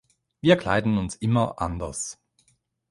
Wir kleiden uns immer anders.